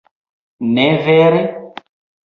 Ne vere?